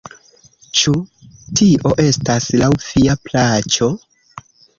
Ĉu tio estas laŭ via plaĉo?